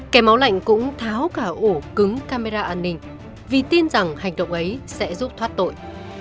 kẻ máu lạnh cũng tháo cả ổ cứng camera an ninh vì tin rằng hành động ấy sẽ giúp thoát tội